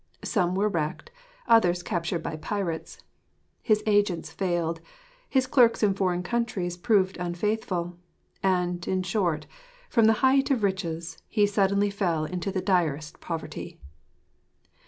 Some were wrecked, others captured by pirates. His agents failed; his clerks in foreign countries proved unfaithful; and, in short, from the height of riches he suddenly fell into the direst poverty.